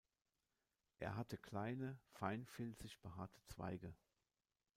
Er hatte kleine, feinfilzig behaarte Zweige.